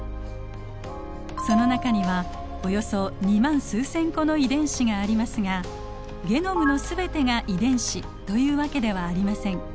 その中にはおよそ２万数千個の遺伝子がありますがゲノムの全てが遺伝子というわけではありません。